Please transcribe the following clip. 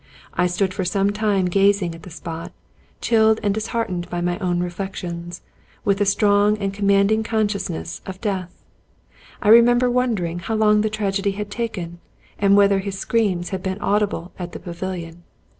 I stood for some time gazing at the spot, chilled and disheartened by my own reflections, and with a strong and commanding con sciousness of death. I remember wondering how long the tragedy had taken, and whether his screams had been audi ble at the pavilion.